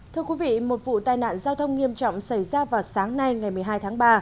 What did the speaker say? thưa quý vị một vụ tai nạn giao thông nghiêm trọng xảy ra vào sáng nay ngày một mươi hai tháng ba